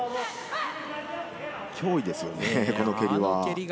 脅威ですよね、この蹴りは。